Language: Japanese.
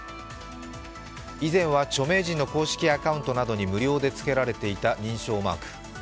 以前は著名人の公式アカウントなどに無料でつけられていた認証マーク。